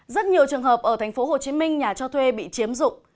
rất nhiều trường hợp ở tp hcm nhà cho thuê bị chiếm dụng